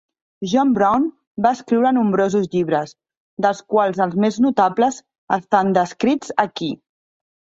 John Brown va escriure nombrosos llibres, dels quals els més notables estan descrits aquí.